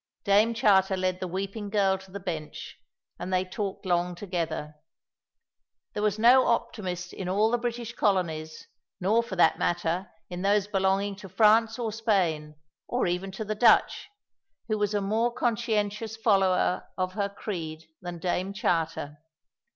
Dame Charter led the weeping girl to the bench, and they talked long together. There was no optimist in all the British colonies, nor for that matter in those belonging to France or Spain, or even to the Dutch, who was a more conscientious follower of her creed than Dame Charter.